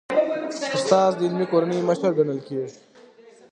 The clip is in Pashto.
استاد د علمي کورنۍ مشر ګڼل کېږي.